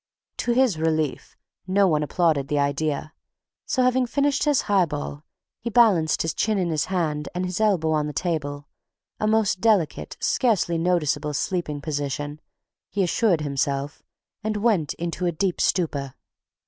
To his relief no one applauded the idea, so having finished his high ball, he balanced his chin in his hand and his elbow on the table—a most delicate, scarcely noticeable sleeping position, he assured himself—and went into a deep stupor....